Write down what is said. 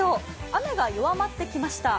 雨が弱まってきました。